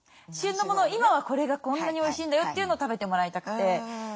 今はこれがこんなにおいしいんだよというのを食べてもらいたくて。